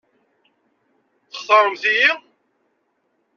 Textaṛemt-iyi?